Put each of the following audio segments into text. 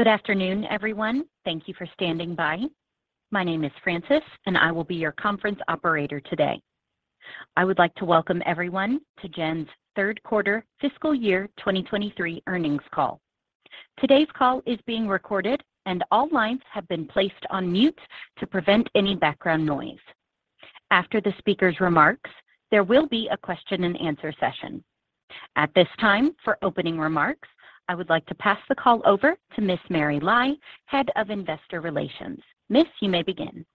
Good afternoon, everyone. Thank you for standing by. My name is Francis, and I will be your conference operator today. I would like to welcome everyone to Gen's Q3 fiscal year 2023 earnings call. Today's call is being recorded, and all lines have been placed on mute to prevent any background noise. After the speaker's remarks, there will be a question and answer session. At this time, for opening remarks, I would like to pass the call over to Ms. Mary Lai, Head of Investor Relations. Ms., you may begin.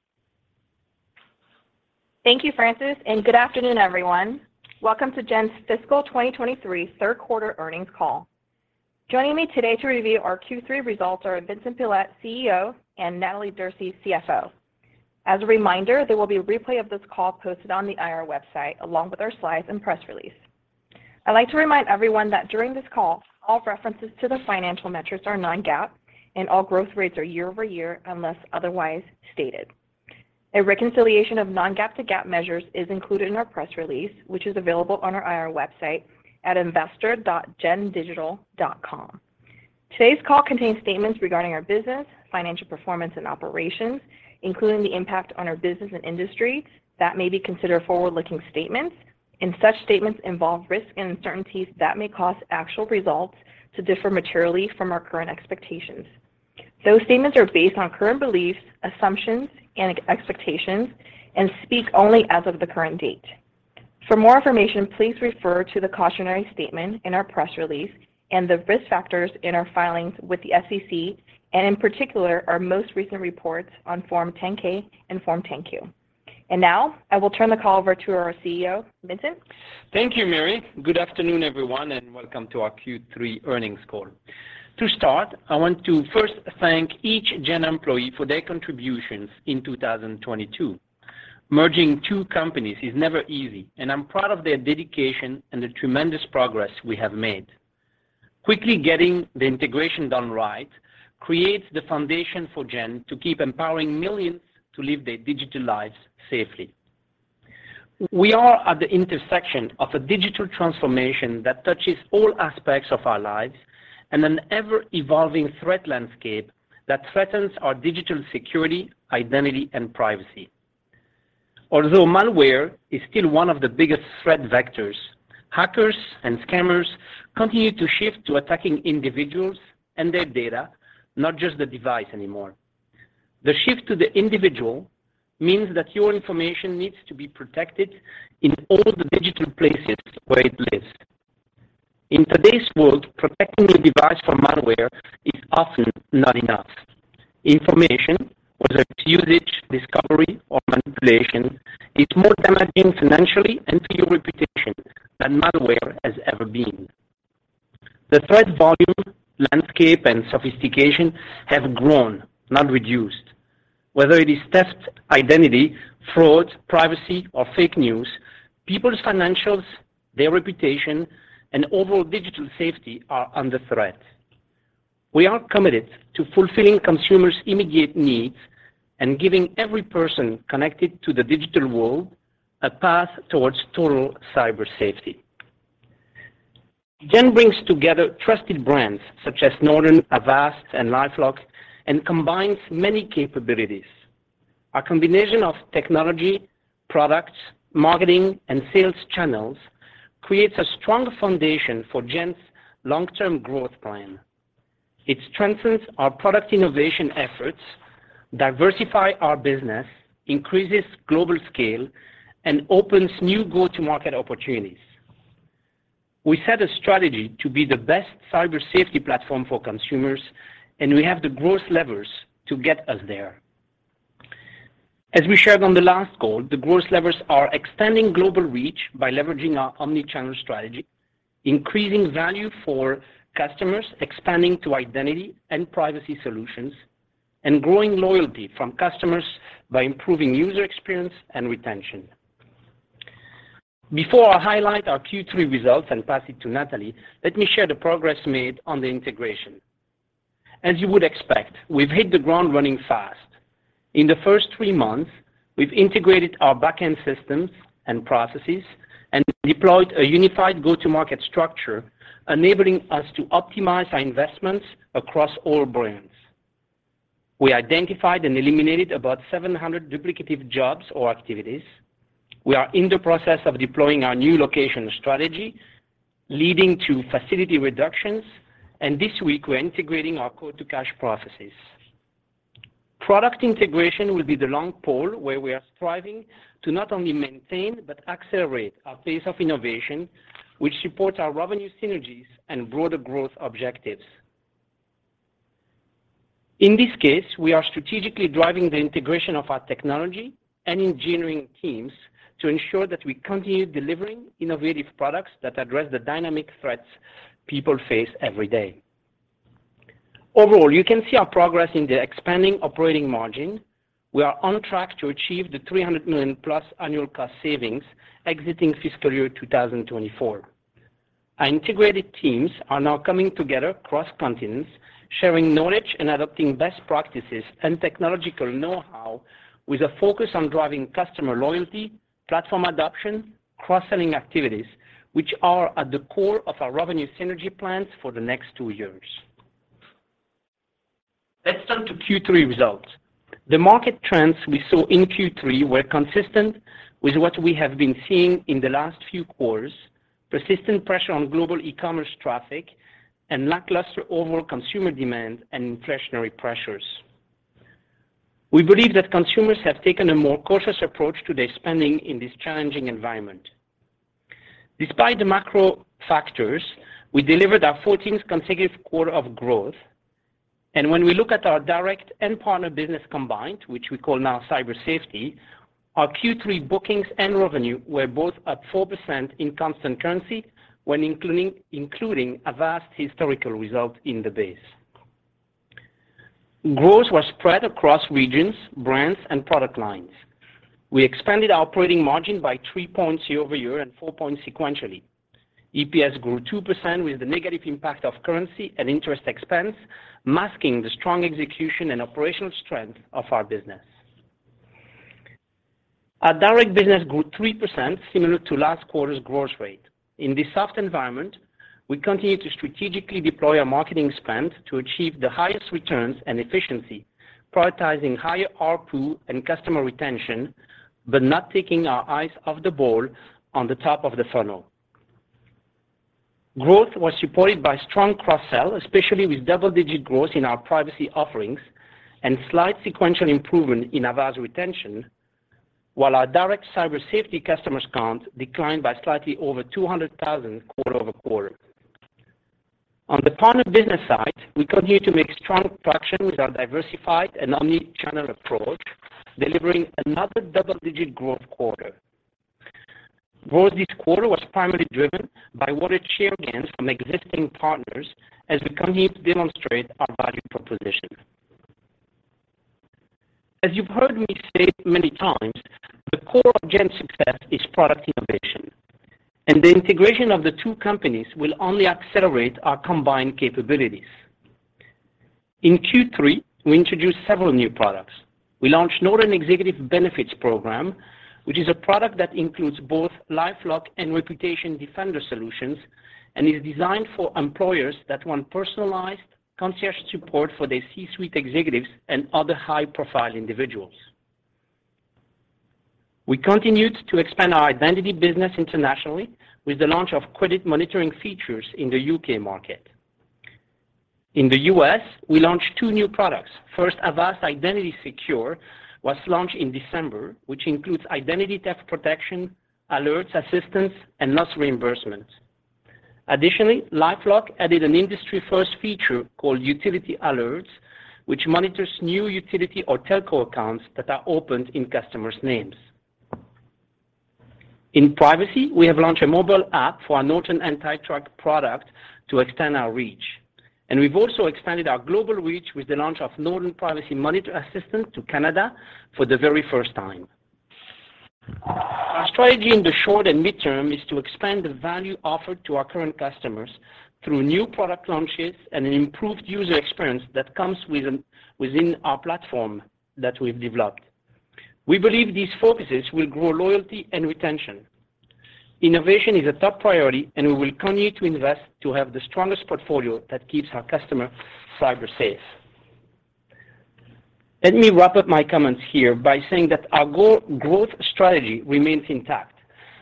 Thank you, Francis. Good afternoon, everyone. Welcome to Gen's fiscal 2023 Q3 earnings call. Joining me today to review our Q3 results are Vincent Pilette, CEO, and Natalie Derse, CFO. As a reminder, there will be a replay of this call posted on the IR website, along with our slides and press release. I'd like to remind everyone that during this call, all references to the financial metrics are non-GAAP, and all growth rates are year-over-year unless otherwise stated. A reconciliation of non-GAAP to GAAP measures is included in our press release, which is available on our IR website at investor.gendigital.com. Today's call contains statements regarding our business, financial performance, and operations, including the impact on our business and industry that may be considered forward-looking statements, and such statements involve risks and uncertainties that may cause actual results to differ materially from our current expectations. Those statements are based on current beliefs, assumptions, and expectations and speak only as of the current date. For more information, please refer to the cautionary statement in our press release and the risk factors in our filings with the SEC and, in particular, our most recent reports on Form 10-K and Form 10-Q. Now I will turn the call over to our CEO, Vincent. Thank you, Mary. Good afternoon, everyone, and welcome to our Q3 earnings call. To start, I want to first thank each Gen employee for their contributions in 2022. Merging two companies is never easy, and I'm proud of their dedication and the tremendous progress we have made. Quickly getting the integration done right creates the foundation for Gen to keep empowering millions to live their digital lives safely. We are at the intersection of a digital transformation that touches all aspects of our lives and an ever-evolving threat landscape that threatens our digital security, identity, and privacy. Although malware is still one of the biggest threat vectors, hackers and scammers continue to shift to attacking individuals and their data, not just the device anymore. The shift to the individual means that your information needs to be protected in all the digital places where it lives. In today's world, protecting a device from malware is often not enough. Information, whether its usage, discovery, or manipulation, is more damaging financially and to your reputation than malware has ever been. The threat volume, landscape, and sophistication have grown, not reduced. Whether it is theft, identity fraud, privacy, or fake news, people's financials, their reputation, and overall digital safety are under threat. We are committed to fulfilling consumers' immediate needs and giving every person connected to the digital world a path towards total Cyber Safety. Gen brings together trusted brands such as Norton, Avast, and LifeLock and combines many capabilities. Our combination of technology, products, marketing, and sales channels creates a strong foundation for Gen's long-term growth plan. It strengthens our product innovation efforts, diversify our business, increases global scale, and opens new go-to-market opportunities. We set a strategy to be the best Cyber Safety platform for consumers, and we have the growth levers to get us there. As we shared on the last call, the growth levers are extending global reach by leveraging our omnichannel strategy, increasing value for customers, expanding to identity and privacy solutions, and growing loyalty from customers by improving user experience and retention. Before I highlight our Q3 results and pass it to Natalie Derse, let me share the progress made on the integration. As you would expect, we've hit the ground running fast. In the first three months, we've integrated our back-end systems and processes and deployed a unified go-to-market structure, enabling us to optimize our investments across all brands. We identified and eliminated about 700 duplicative jobs or activities. We are in the process of deploying our new location strategy, leading to facility reductions, this week, we're integrating our quote-to-cash processes. Product integration will be the long pole where we are striving to not only maintain but accelerate our pace of innovation, which supports our revenue synergies and broader growth objectives. In this case, we are strategically driving the integration of our technology and engineering teams to ensure that we continue delivering innovative products that address the dynamic threats people face every day. Overall, you can see our progress in the expanding operating margin. We are on track to achieve the $300 million+ annual cost savings exiting fiscal year 2024. Our integrated teams are now coming together cross-continents, sharing knowledge and adopting best practices and technological know-how with a focus on driving customer loyalty, platform adoption, cross-selling activities, which are at the core of our revenue synergy plans for the next two years. Let's turn to Q3 results. The market trends we saw in Q3 were consistent with what we have been seeing in the last few quarters, persistent pressure on global e-commerce traffic and lackluster overall consumer demand and inflationary pressures. We believe that consumers have taken a more cautious approach to their spending in this challenging environment. Despite the macro factors, we delivered our 14 consecutive quarter of growth, and when we look at our direct and partner business combined, which we call now Cyber Safety, our Q3 bookings and revenue were both up 4% in constant currency when including Avast historical result in the base. Growth was spread across regions, brands and product lines. We expanded our operating margin by three points year-over-year and four points sequentially. EPS grew 2% with the negative impact of currency and interest expense, masking the strong execution and operational strength of our business. Our direct business grew 3%, similar to last quarter's growth rate. In this soft environment, we continue to strategically deploy our marketing spend to achieve the highest returns and efficiency, prioritizing higher ARPU and customer retention, but not taking our eyes off the ball on the top of the funnel. Growth was supported by strong cross-sell, especially with double-digit growth in our privacy offerings and slight sequential improvement in Avast retention, while our direct Cyber Safety customers count declined by slightly over 200,000 quarter-over-quarter. On the partner business side, we continue to make strong traction with our diversified and omnichannel approach, delivering another double-digit growth quarter. Growth this quarter was primarily driven by wallet share gains from existing partners as we continue to demonstrate our value proposition. As you've heard me state many times, the core of Gen's success is product innovation, and the integration of the two companies will only accelerate our combined capabilities. In Q3, we introduced several new products. We launched Norton Executive Benefit Program, which is a product that includes both LifeLock and Reputation Defender solutions and is designed for employers that want personalized concierge support for their C-suite executives and other high-profile individuals. We continued to expand our identity business internationally with the launch of credit monitoring features in the U.K. market. In the U.S., we launched two new products. First, Avast Secure Identity was launched in December, which includes identity theft protection, alerts, assistance and loss reimbursement. Additionally, LifeLock added an industry-first feature called Utility Account Alerts, which monitors new utility or telco accounts that are opened in customers' names. In privacy, we have launched a mobile app for our Norton AntiTrack product to extend our reach. We've also expanded our global reach with the launch of Norton Privacy Monitor Assistant to Canada for the very first time. Our strategy in the short and midterm is to expand the value offered to our current customers through new product launches and an improved user experience that comes within our platform that we've developed. We believe these focuses will grow loyalty and retention. Innovation is a top priority. We will continue to invest to have the strongest portfolio that keeps our customer cyber safe. Let me wrap up my comments here by saying that our go-growth strategy remains intact.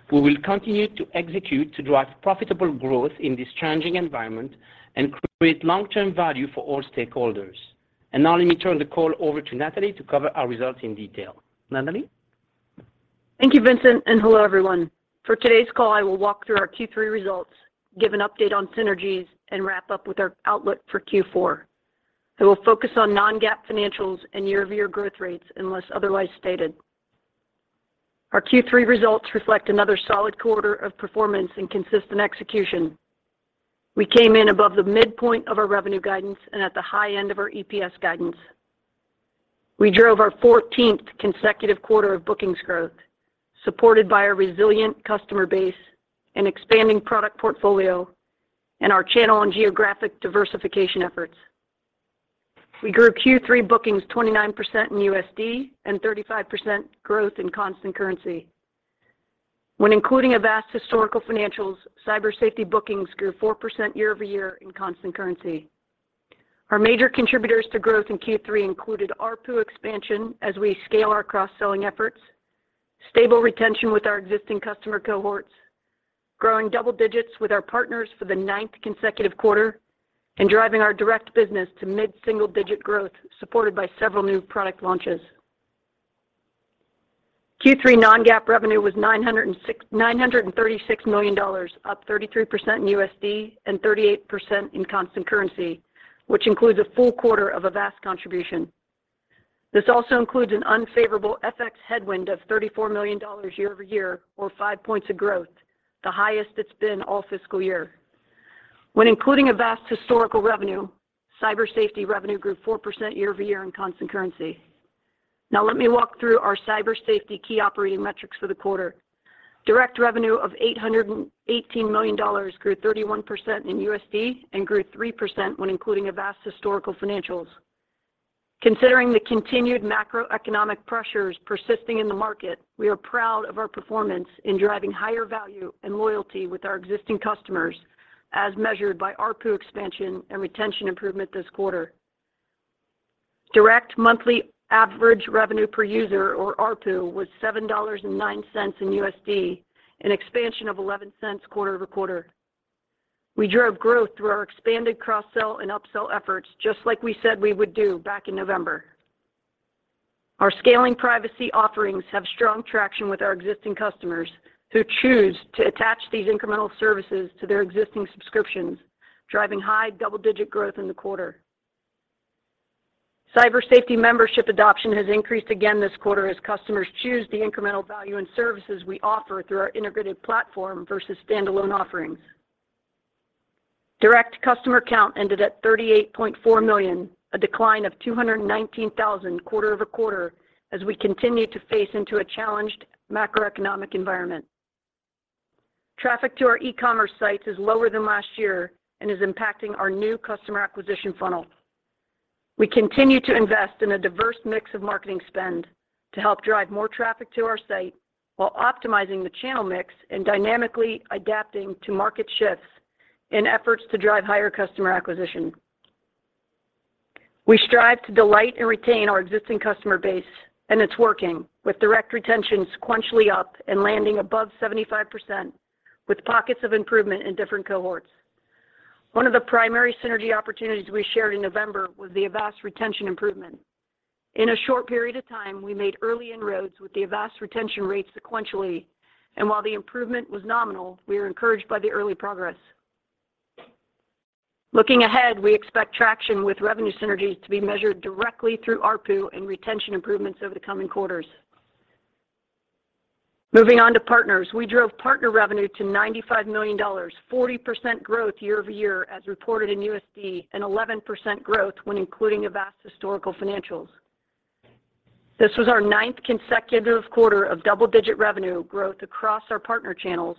We will continue to execute to drive profitable growth in this changing environment and create long-term value for all stakeholders. Now let me turn the call over to Natalie to cover our results in detail. Natalie? Thank you, Vincent. Hello, everyone. For today's call, I will walk through our Q3 results, give an update on synergies, and wrap up with our outlook for Q4. I will focus on non-GAAP financials and year-over-year growth rates unless otherwise stated. Our Q3 results reflect another solid quarter of performance and consistent execution. We came in above the midpoint of our revenue guidance and at the high end of our EPS guidance. We drove our 14th consecutive quarter of bookings growth, supported by a resilient customer base, an expanding product portfolio, and our channel and geographic diversification efforts. We grew Q3 bookings 29% in USD and 35% growth in constant currency. When including Avast historical financials, Cyber Safety bookings grew 4% year-over-year in constant currency. Our major contributors to growth in Q3 included ARPU expansion as we scale our cross-selling efforts, stable retention with our existing customer cohorts, growing double-digits with our partners for the ninth consecutive quarter, and driving our direct business to mid-single-digit growth, supported by several new product launches. Q3 non-GAAP revenue was $936 million, up 33% in USD and 38% in constant currency, which includes a full quarter of Avast contribution. This also includes an unfavorable FX headwind of $34 million year-over-year or five points of growth, the highest it's been all fiscal year. When including Avast historical revenue, Cyber Safety revenue grew 4% year-over-year in constant currency. Let me walk through our Cyber Safety key operating metrics for the quarter. Direct revenue of $818 million grew 31% in USD and grew 3% when including Avast historical financials. Considering the continued macroeconomic pressures persisting in the market, we are proud of our performance in driving higher value and loyalty with our existing customers as measured by ARPU expansion and retention improvement this quarter. Direct monthly average revenue per user, or ARPU, was $7.09 in USD, an expansion of $0.11 quarter-over-quarter. We drove growth through our expanded cross-sell and upsell efforts, just like we said we would do back in November. Our scaling privacy offerings have strong traction with our existing customers who choose to attach these incremental services to their existing subscriptions, driving high double-digit growth in the quarter. Cyber Safety membership adoption has increased again this quarter as customers choose the incremental value and services we offer through our integrated platform versus standalone offerings. Direct customer count ended at 38.4 million, a decline of 219,000 quarter-over-quarter as we continue to face into a challenged macroeconomic environment. Traffic to our e-commerce sites is lower than last year and is impacting our new customer acquisition funnel. We continue to invest in a diverse mix of marketing spend to help drive more traffic to our site while optimizing the channel mix and dynamically adapting to market shifts in efforts to drive higher customer acquisition. We strive to delight and retain our existing customer base, and it's working, with direct retention sequentially up and landing above 75%, with pockets of improvement in different cohorts. One of the primary synergy opportunities we shared in November was the Avast retention improvement. In a short period of time, we made early inroads with the Avast retention rate sequentially. While the improvement was nominal, we are encouraged by the early progress. Looking ahead, we expect traction with revenue synergies to be measured directly through ARPU and retention improvements over the coming quarters. Moving on to partners. We drove partner revenue to $95 million, 40% growth year-over-year as reported in USD, and 11% growth when including Avast historical financials. This was our ninth consecutive quarter of double-digit revenue growth across our partner channels,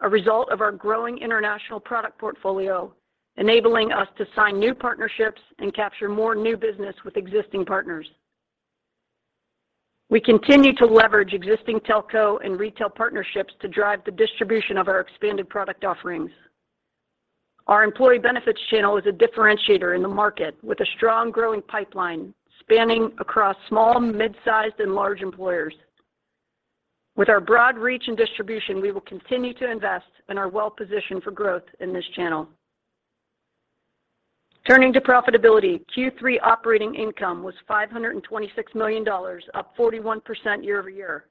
a result of our growing international product portfolio, enabling us to sign new partnerships and capture more new business with existing partners. We continue to leverage existing telco and retail partnerships to drive the distribution of our expanded product offerings. Our employee benefits channel is a differentiator in the market, with a strong growing pipeline spanning across small, mid-sized, and large employers. With our broad reach and distribution, we will continue to invest and are well-positioned for growth in this channel. Turning to profitability, Q3 operating income was $526 million, up 41% year-over-year.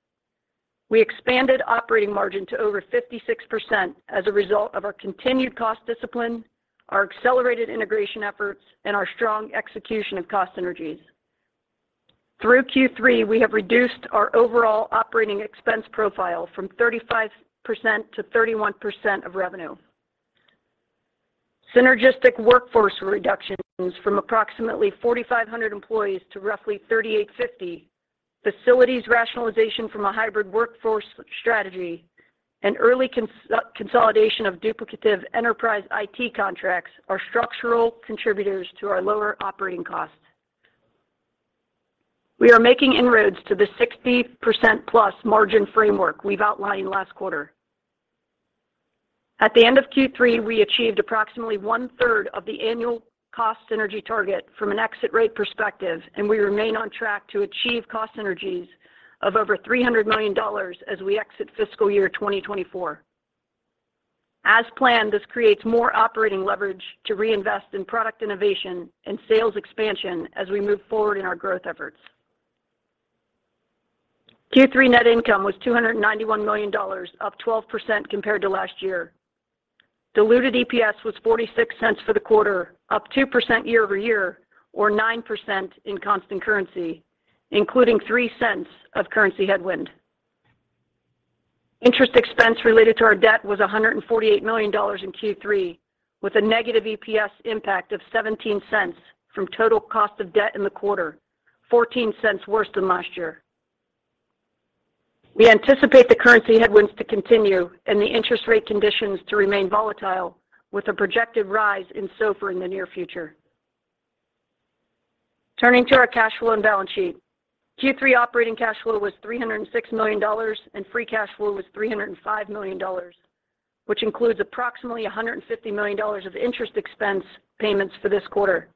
We expanded operating margin to over 56% as a result of our continued cost discipline, our accelerated integration efforts, and our strong execution of cost synergies. Through Q3, we have reduced our overall operating expense profile from 35% to 31% of revenue. Synergistic workforce reductions from approximately 4,500 employees to roughly 3,850, facilities rationalization from a hybrid workforce strategy, and early consolidation of duplicative enterprise IT contracts are structural contributors to our lower operating costs. We are making inroads to the 60%+ margin framework we've outlined last quarter. At the end of Q3, we achieved approximately one-third of the annual cost synergy target from an exit rate perspective, we remain on track to achieve cost synergies of over $300 million as we exit fiscal year 2024. As planned, this creates more operating leverage to reinvest in product innovation and sales expansion as we move forward in our growth efforts. Q3 net income was $291 million, up 12% compared to last year. Diluted EPS was $0.46 for the quarter, up 2% year-over-year or 9% in constant currency, including $0.03 of currency headwind. Interest expense related to our debt was $148 million in Q3, with a negative EPS impact of $0.17 from total cost of debt in the quarter, $0.14 worse than last year. We anticipate the currency headwinds to continue and the interest rate conditions to remain volatile, with a projected rise in SOFR in the near future. Turning to our cash flow and balance sheet. Q3 operating cash flow was $306 million, and free cash flow was $305 million, which includes approximately $150 million of interest expense payments for this quarter.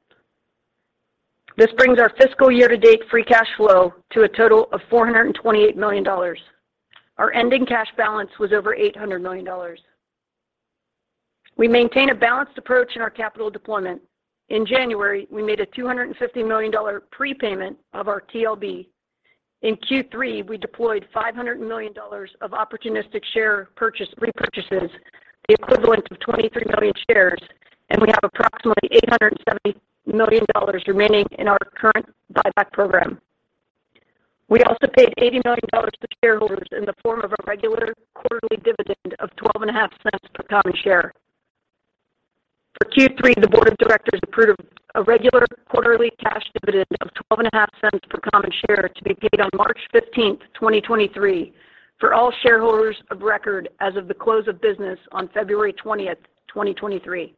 This brings our fiscal year-to-date free cash flow to a total of $428 million. Our ending cash balance was over $800 million. We maintain a balanced approach in our capital deployment. In January, we made a $250 million prepayment of our TLB. In Q3, we deployed $500 million of opportunistic share purchase repurchases, the equivalent of 23 million shares, and we have approximately $870 million remaining in our current buyback program. We also paid $80 million to shareholders in the form of a regular quarterly dividend of $0.125 per common share. For Q3, the board of directors approved a regular quarterly cash dividend of $0.125 per common share to be paid on March 15th, 2023, for all shareholders of record as of the close of business on February 20th, 2023.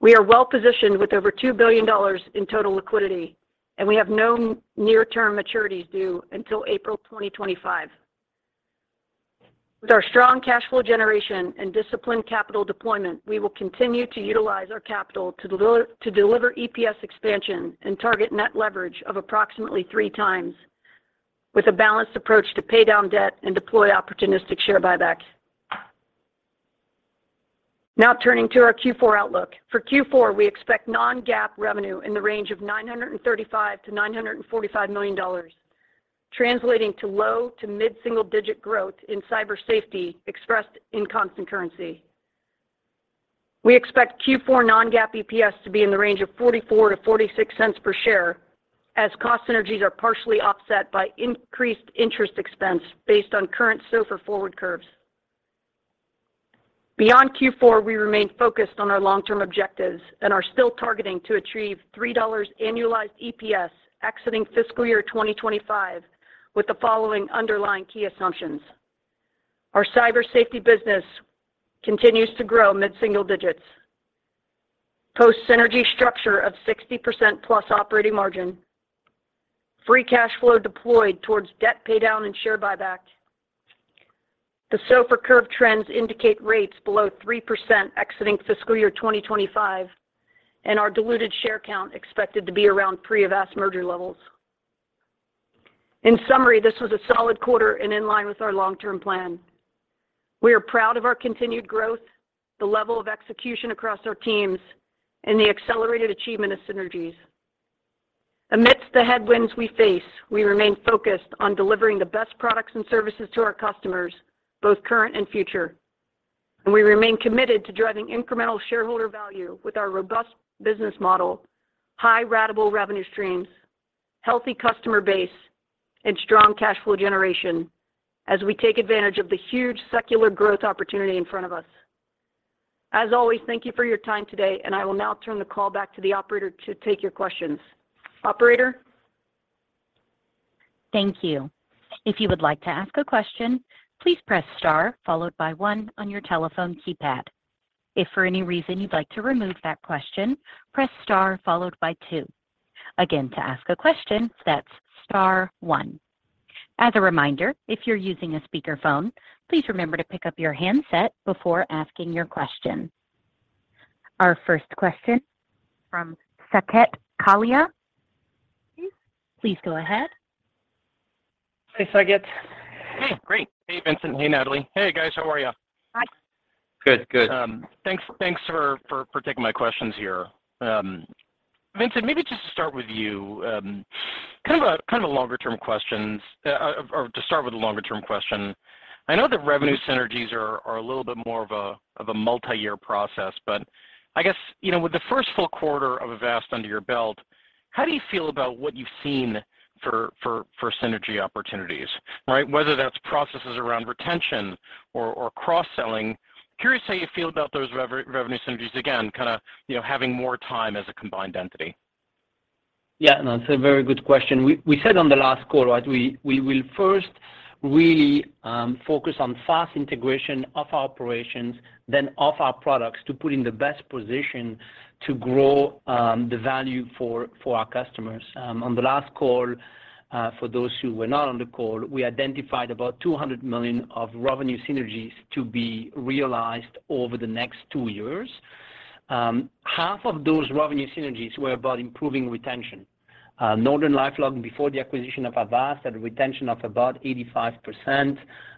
We are well positioned with over $2 billion in total liquidity. We have no near-term maturities due until April 2025. With our strong cash flow generation and disciplined capital deployment, we will continue to utilize our capital to deliver EPS expansion and target net leverage of approximately three times with a balanced approach to pay down debt and deploy opportunistic share buyback. Turning to our Q4 outlook. For Q4, we expect non-GAAP revenue in the range of $935 million-$945 million, translating to low- to mid-single-digit growth in Cyber Safety expressed in constant currency. We expect Q4 non-GAAP EPS to be in the range of $0.44-$0.46 per share as cost synergies are partially offset by increased interest expense based on current SOFR forward curves. Beyond Q4, we remain focused on our long-term objectives and are still targeting to achieve $3 annualized EPS exiting fiscal year 2025 with the following underlying key assumptions. Our Cyber Safety business continues to grow mid-single digits. Post synergy structure of 60% plus operating margin. Free cash flow deployed towards debt paydown and share buyback. The SOFR curve trends indicate rates below 3% exiting fiscal year 2025, and our diluted share count expected to be around pre-Avast merger levels. In summary, this was a solid quarter and in line with our long-term plan. We are proud of our continued growth, the level of execution across our teams, and the accelerated achievement of synergies. Amidst the headwinds we face, we remain focused on delivering the best products and services to our customers, both current and future. We remain committed to driving incremental shareholder value with our robust business model, high ratable revenue streams, healthy customer base, and strong cash flow generation as we take advantage of the huge secular growth opportunity in front of us. As always, thank you for your time today. I will now turn the call back to the operator to take your questions. Operator? Thank you. If you would like to ask a question, please press star followed by one on your telephone keypad. If for any reason you'd like to remove that question, press star followed by two. Again, to ask a question, that's star one. As a reminder, if you're using a speakerphone, please remember to pick up your handset before asking your question. Our first question from Saket Kalia. Please go ahead. Hey, Saket. Hey, great. Hey, Vincent. Hey, Natalie. Hey, guys. How are ya? Hi. Good. Good. Thanks for taking my questions here. Vincent, maybe just to start with you, kind of a longer-term question. I know that revenue synergies are a little bit more of a multiyear process. I guess, you know, with the first full quarter of Avast under your belt, how do you feel about what you've seen for synergy opportunities, right? Whether that's processes around retention or cross-selling. Curious how you feel about those revenue synergies, again, kinda, you know, having more time as a combined entity. No, it's a very good question. We said on the last call, right, we will first really focus on fast integration of our operations, then of our products to put in the best position to grow the value for our customers. On the last call, for those who were not on the call, we identified about $200 million of revenue synergies to be realized over the next two years. Half of those revenue synergies were about improving retention. NortonLifeLock before the acquisition of Avast had a retention of about 85%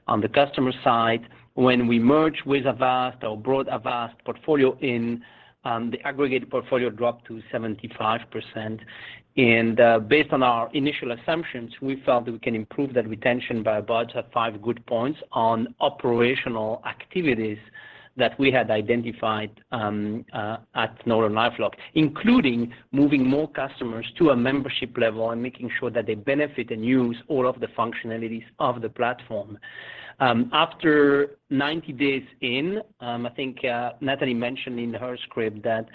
on the customer side. When we merged with Avast or brought Avast portfolio in, the aggregate portfolio dropped to 75%. Based on our initial assumptions, we felt that we can improve that retention by about five good points on operational activities that we had identified at NortonLifeLock, including moving more customers to a membership level and making sure that they benefit and use all of the functionalities of the platform. After 90 days in, I think Natalie mentioned in her script that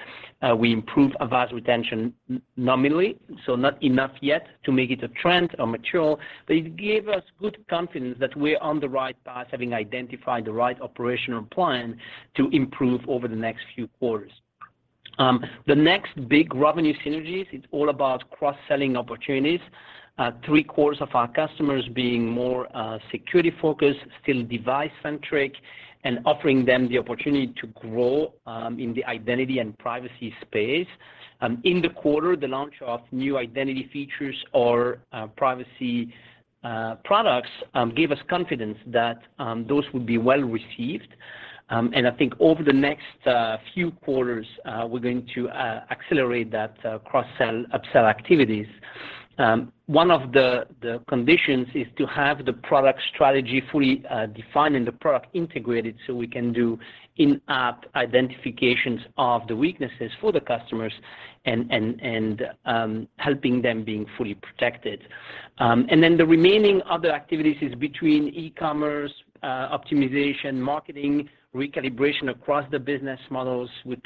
we improved Avast retention nominally, so not enough yet to make it a trend or mature, but it gave us good confidence that we're on the right path, having identified the right operational plan to improve over the next few quarters. The next big revenue synergies, it's all about cross-selling opportunities. Three-quarters of our customers being more security-focused, still device-centric, and offering them the opportunity to grow in the identity and privacy space. In the quarter, the launch of new identity features or privacy products gave us confidence that those would be well-received. I think over the next few quarters, we're going to accelerate that cross-sell, up-sell activities. One of the conditions is to have the product strategy fully defined and the product integrated so we can do in-app identifications of the weaknesses for the customers and helping them being fully protected. Then the remaining other activities is between e-commerce optimization, marketing, recalibration across the business models. We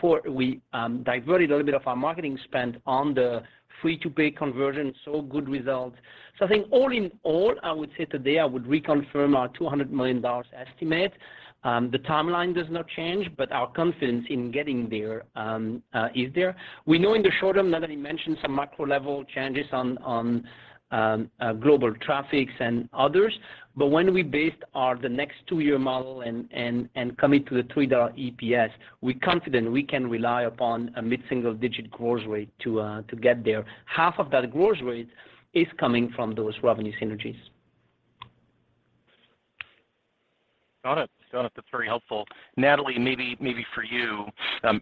diverted a little bit of our marketing spend on the free-to-paid conversion, saw good results. I think all in all, I would say today I would reconfirm our $200 million estimate. The timeline does not change, but our confidence in getting there is there. We know in the short term, Natalie Derse mentioned some macro level changes on global traffics and others. When we based our the next two-year model and, and commit to the $3 EPS, we're confident we can rely upon a mid-single digit growth rate to get there. Half of that growth rate is coming from those revenue synergies. Got it. Got it. That's very helpful. Natalie, maybe for you,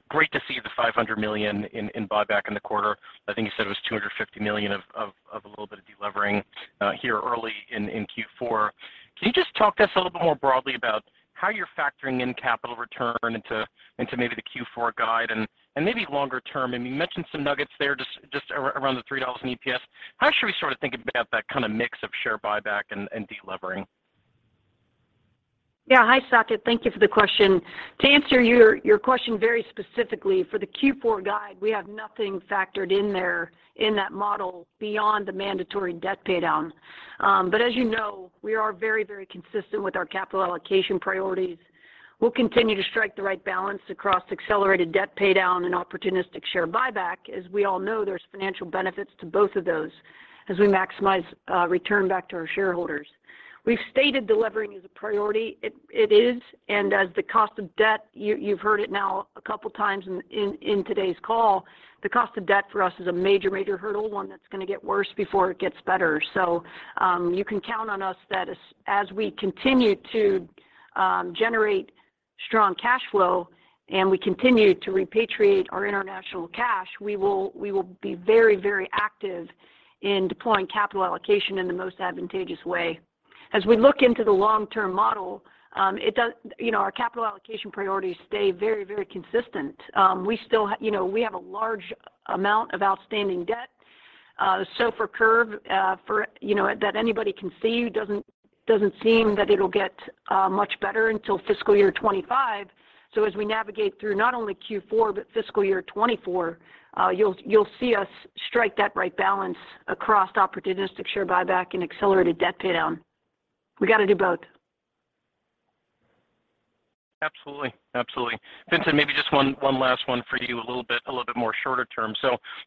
great to see the $500 million in buyback in the quarter. I think you said it was $250 million of a little bit of delevering here early in Q4. Can you just talk to us a little bit more broadly about how you're factoring in capital return into maybe the Q4 guide and maybe longer term? I mean, you mentioned some nuggets there just around the $3 in EPS. How should we start to think about that kinda mix of share buyback and delevering? Yeah. Hi, Saket. Thank you for the question. To answer your question very specifically, for the Q4 guide, we have nothing factored in there in that model beyond the mandatory debt pay down. As you know, we are very consistent with our capital allocation priorities. We'll continue to strike the right balance across accelerated debt pay down and opportunistic share buyback. As we all know, there's financial benefits to both of those as we maximize return back to our shareholders. We've stated delivering is a priority. It is, as the cost of debt, you've heard it now a couple times in today's call, the cost of debt for us is a major hurdle, one that's gonna get worse before it gets better. You can count on us that as we continue to generate strong cash flow and we continue to repatriate our international cash, we will be very active in deploying capital allocation in the most advantageous way. As we look into the long-term model. You know, our capital allocation priorities stay very consistent. We still You know, we have a large amount of outstanding debt. SOFR curve, for, you know, that anybody can see doesn't seem that it'll get much better until fiscal year 25. As we navigate through not only Q4, but fiscal year 2024, you'll see us strike that right balance across opportunistic share buyback and accelerated debt pay down. We gotta do both. Absolutely. Absolutely. Vincent, maybe just one last one for you, a little bit more shorter term.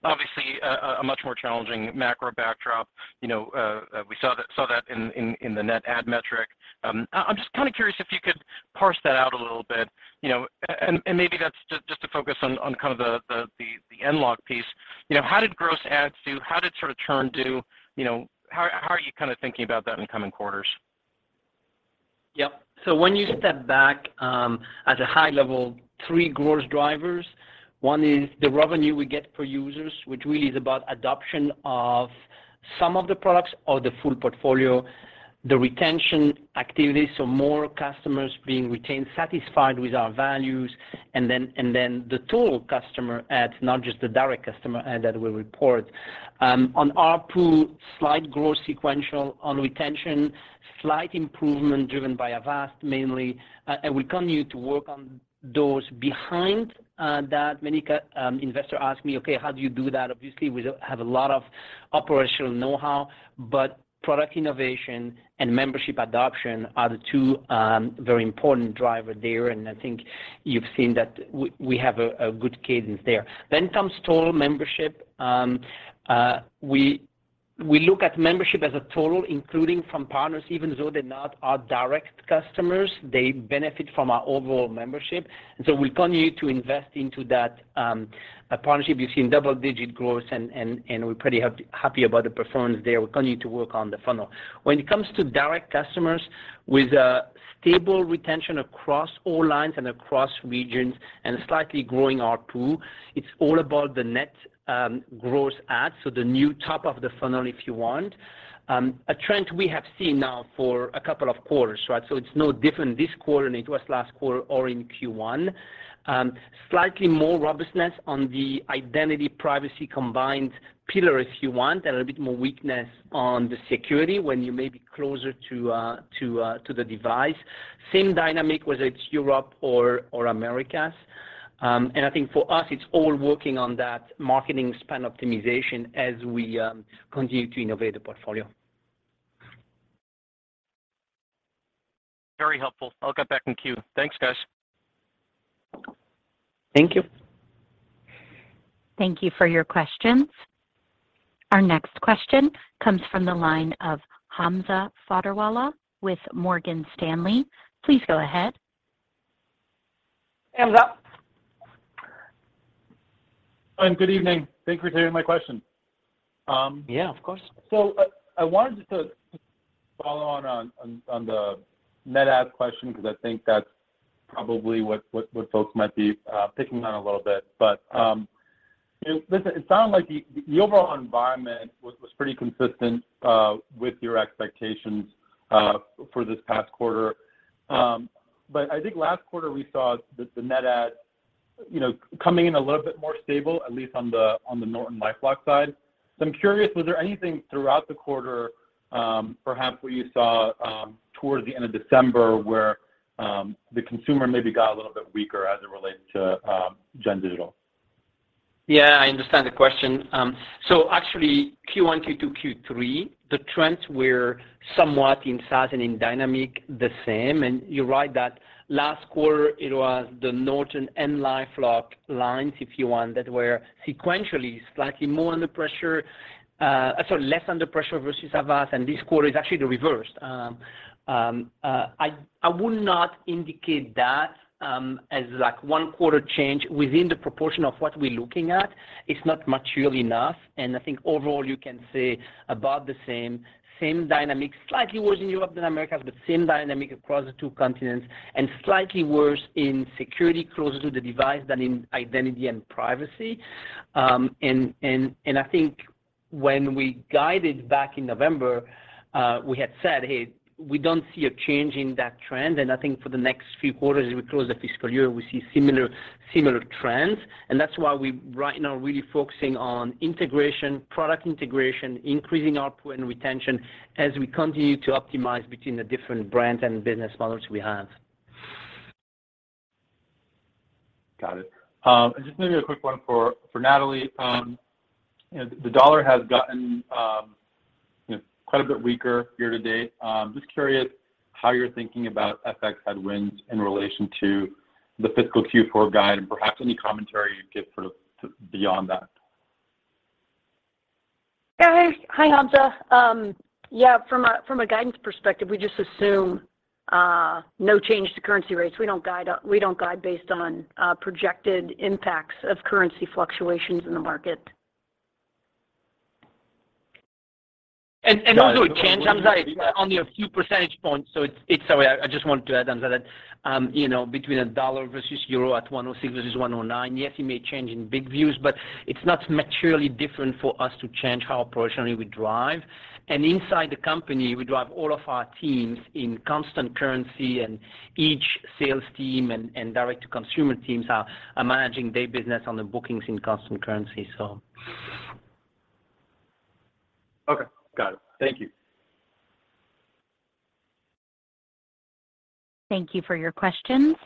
Obviously a much more challenging macro backdrop. You know, we saw that in the net add metric. I'm just kinda curious if you could parse that out a little bit. You know, and maybe that's just to focus on kind of the LifeLock piece. You know, how did gross adds do? How did sort of churn do? You know, how are you kinda thinking about that in coming quarters? Yep. When you step back, at a high level, three growth drivers one is the revenue we get per users, which really is about adoption of some of the products or the full portfolio. The retention activity, so more customers being retained, satisfied with our values. Then the total customer adds, not just the direct customer add that we report. On ARPU, slight growth sequential. On retention, slight improvement driven by Avast mainly. We continue to work on those behind that many investor ask me, "Okay, how do you do that?" Obviously, we don't have a lot of operational know-how, but product innovation and membership adoption are the two, very important driver there, and I think you've seen that we have a good cadence there. Comes total membership. We look at membership as a total, including from partners. Even though they're not our direct customers, they benefit from our overall membership. We continue to invest into that partnership. You've seen double-digit growth and we're pretty happy about the performance there. We continue to work on the funnel. When it comes to direct customers, with a stable retention across all lines and across regions and slightly growing ARPU, it's all about the net gross adds, so the new top of the funnel, if you want. A trend we have seen now for Q2, right? It's no different this quarter than it was last quarter or in Q1. Slightly more robustness on the identity privacy combined pillar, if you want, and a little bit more weakness on the security when you may be closer to the device. Same dynamic, whether it's Europe or Americas. I think for us, it's all working on that marketing spend optimization as we continue to innovate the portfolio. Very helpful. I'll get back in queue. Thanks, guys. Thank you. Thank you for your questions. Our next question comes from the line of Hamza Fodderwala with Morgan Stanley. Please go ahead. Hamza. Good evening. Thank you for taking my question. Yeah, of course. I wanted just to follow on the net adds question because I think that's probably what folks might be picking on a little bit. Listen, it sounds like the overall environment was pretty consistent with your expectations for this past quarter. I think last quarter we saw the net adds, you know, coming in a little bit more stable, at least on the NortonLifeLock side. I'm curious, was there anything throughout the quarter, perhaps what you saw towards the end of December where the consumer maybe got a little bit weaker as it related to Gen Digital? Yeah, I understand the question. Actually Q1, Q2, Q 3, the trends were somewhat in size and in dynamic the same. You're right that last quarter it was the Norton and LifeLock lines, if you want, that were sequentially slightly more under pressure, sorry, less under pressure versus Avast. This quarter is actually the reverse. I would not indicate that as like one quarter change within the proportion of what we're looking at. It's not mature enough. I think overall you can say about the same dynamic, slightly worse in Europe than America, but same dynamic across the two continents and slightly worse in security closer to the device than in identity and privacy. I think when we guided back in November, we had said, "Hey, we don't see a change in that trend." I think for the next few quarters as we close the fiscal year, we see similar trends. That's why we right now are really focusing on integration, product integration, increasing output and retention as we continue to optimize between the different brands and business models we have. Got it. Just maybe a quick one for Natalie. You know, the dollar has gotten, you know, quite a bit weaker year to date. Just curious how you're thinking about FX headwinds in relation to the fiscal Q4 guide and perhaps any commentary you'd give sort of beyond that? Yeah. Hi, Hamza. Yeah, from a guidance perspective, we just assume no change to currency rates. We don't guide based on projected impacts of currency fluctuations in the market. Also it changed, Hamza. It's only a few percentage points. Sorry, I just wanted to add on to that. You know, between a dollar versus euro at 1.06 versus 1.09, yes, you may change in big views, but it's not materially different for us to change how proportionally we drive. Inside the company, we drive all of our teams in constant currency, and each sales team and direct to consumer teams are managing their business on the bookings in constant currency so. Okay. Got it. Thank you. Thank you for your questions.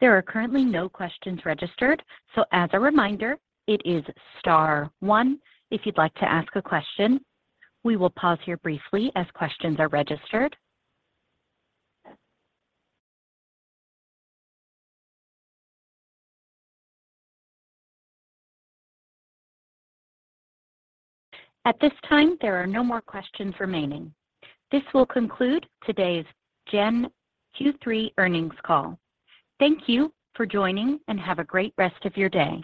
There are currently no questions registered, so as a reminder, it is star one if you'd like to ask a question. We will pause here briefly as questions are registered. At this time, there are no more questions remaining. This will conclude today's Gen Q3 earnings call. Thank you for joining, and have a great rest of your day.